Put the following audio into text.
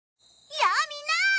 やあみんな！